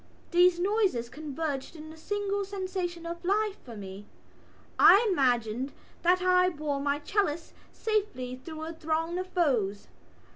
These noises converged in a single sensation of life for me: I imagined that I bore my chalice safely through a throng of foes.